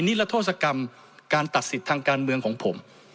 นิรโทษกรรมการตัดสิทธิ์ทางการเมืองของผม